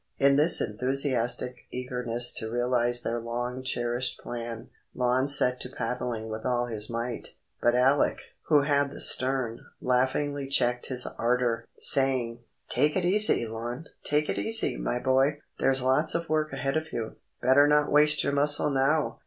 In his enthusiastic eagerness to realize their long cherished plan, Lon set to paddling with all his might; but Alec, who had the stern, laughingly checked his ardour, saying,— "Take it easy, Lon; take it easy, my boy! There's lots of work ahead of you. Better not waste your muscle now!"